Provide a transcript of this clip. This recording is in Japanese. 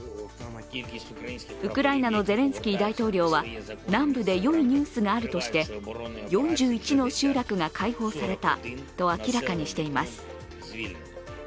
ウクライナのゼレンスキー大統領は南部でよいニュースがあるとして４１の集落が解放されたと明らかにしています。